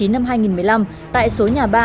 năm hai nghìn một mươi năm tại số nhà ba